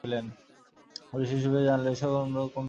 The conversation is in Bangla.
পুলিশ এসব বিষয় জানলেও এখন পর্যন্ত এসব ঘটনায় কোনো মামলা হয়নি।